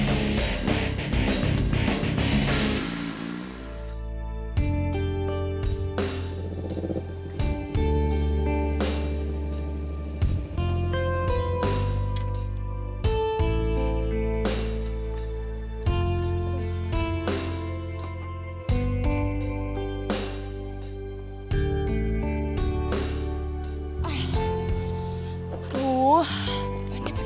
tuh lebih panik lagi